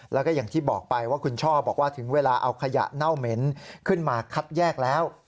แล้วก็อย่างที่บอกไปว่าคุณช่อบอกว่าถึงเวลาเอาขยะเน่าเหม็นขึ้นมาคัดแยกแล้ว